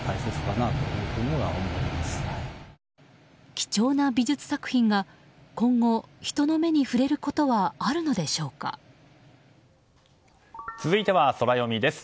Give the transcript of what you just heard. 貴重な美術作品が今後、人の目に触れることは続いてはソラよみです。